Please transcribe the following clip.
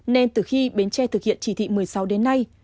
nên từ khi bến tre thực hiện chỉ thị một mươi sáu đến nay